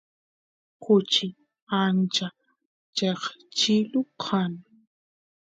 kuchi ancha cheqchilu kan